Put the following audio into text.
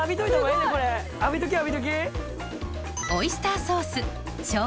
すごい！浴びとき浴びとき。